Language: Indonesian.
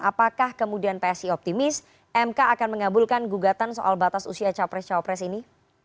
apakah kemudian psi optimis mk akan mengabulkan gugatan soal batas usia capres cawapres ini